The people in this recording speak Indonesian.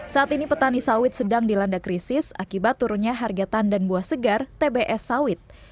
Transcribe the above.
saat ini petani sawit sedang dilanda krisis akibat turunnya harga tandan buah segar tbs sawit